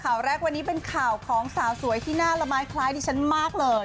ข่าวแรกวันนี้เป็นข่าวของสาวสวยที่หน้าละไม้คล้ายดิฉันมากเลย